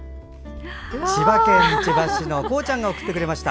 千葉県千葉市の公ちゃんが送ってくれました。